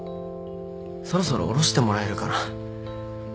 そろそろ降ろしてもらえるかな？